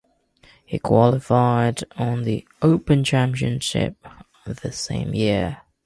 He qualified for the Open Championship the same year.